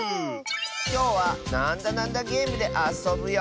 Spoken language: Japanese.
きょうは「なんだなんだゲーム」であそぶよ。